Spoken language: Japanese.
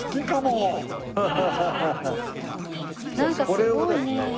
これをですね。